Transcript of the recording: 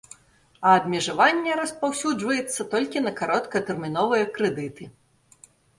А абмежаванне распаўсюджваецца толькі на кароткатэрміновыя крэдыты.